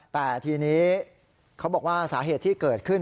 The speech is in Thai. แต่ทีนี้เขาบอกว่าสาเหตุที่เกิดขึ้น